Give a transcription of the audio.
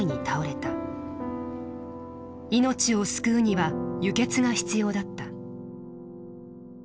命を救うには輸血が必要だった。